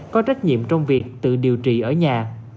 có trách nhiệm trong việc tự điều trị ở nhà